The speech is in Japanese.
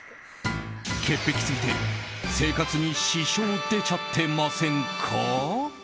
潔癖すぎて生活に支障出ちゃってませんか？